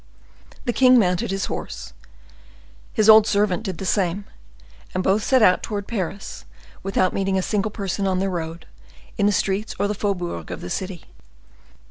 The king mounted his horse; his old servant did the same, and both set out towards Paris, without meeting a single person on their road, in the streets or the faubourgs of the city.